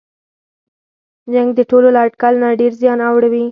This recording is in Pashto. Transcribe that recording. جنګ د ټولو له اټکل نه ډېر زیان اړوي.